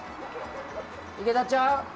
池田ちゃん！